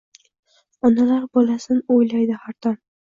Onalar bolasin uylaydi xar dam